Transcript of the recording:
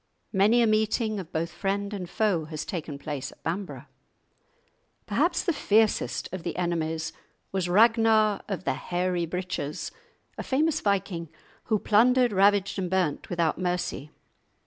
Many a meeting of both friend and foe has taken place at Bamburgh! Perhaps the fiercest of the enemies was Ragnar of the hairy breeches, a famous viking who plundered, ravaged, and burnt without mercy.